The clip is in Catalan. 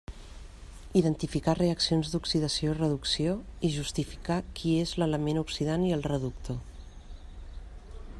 Identificar reaccions d'oxidació reducció i justificar qui és l'element oxidant i el reductor.